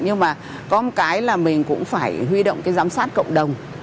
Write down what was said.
nhưng mà có một cái là mình cũng phải huy động cái giám sát cộng đồng